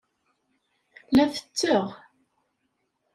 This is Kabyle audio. La ttetteɣ.